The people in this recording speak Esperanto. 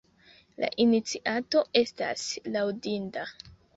La iniciato estas laŭdinda.